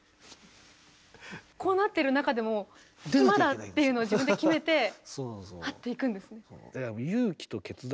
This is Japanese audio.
こうなってる中でも「今だ！」っていうのを自分で決めてハッといくんですね。